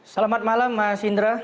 selamat malam mas indra